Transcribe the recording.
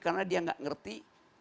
karena dia gak ngerti